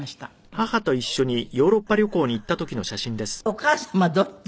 お母様どっち？